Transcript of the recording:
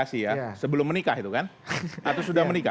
sebelum menikah itu kan atau sudah menikah